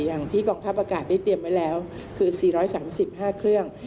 อย่างที่กองทัพอากาศได้เตรียมไว้แล้วคือ๔๓๕เครื่อง